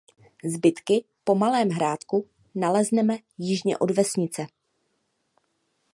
Zbytky po malém hrádku nalezneme jižně od vesnice.